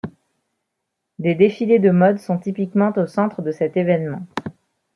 Des défilés de mode sont typiquement au centre de cet événement.